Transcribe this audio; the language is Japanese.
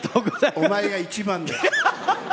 お前が一番だよ。